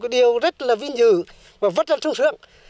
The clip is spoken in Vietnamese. điều rất là vinh dự và vất vả trung sướng